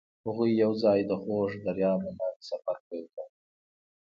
هغوی یوځای د خوږ دریاب له لارې سفر پیل کړ.